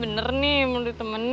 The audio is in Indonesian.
bener nih mau ditemenin